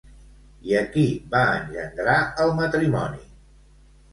I a qui va engendrar el matrimoni?